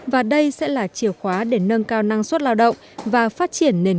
và đây sẽ là chiều khóa để nâng cao năng lực